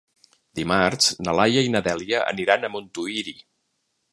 Dimarts na Laia i na Dèlia aniran a Montuïri.